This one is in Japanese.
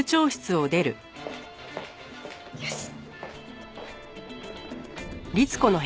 よし！